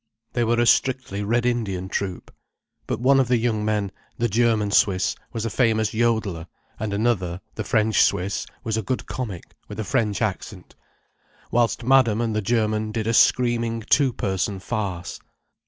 They were a strictly Red Indian troupe. But one of the young men, the German Swiss, was a famous yodeller, and another, the French Swiss, was a good comic with a French accent, whilst Madame and the German did a screaming two person farce.